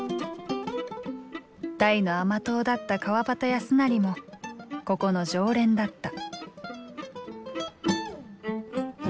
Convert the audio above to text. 大の甘党だった川端康成もここの常連だった。